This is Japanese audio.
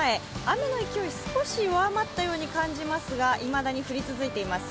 雨の勢い、少し弱まったように感じますが、いまだに降り続いています。